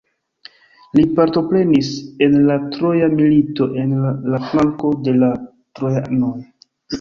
Li partoprenis en la Troja Milito en la flanko de la trojanoj.